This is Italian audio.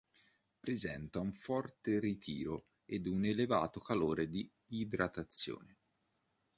Presenta un forte ritiro ed un elevato calore di idratazione.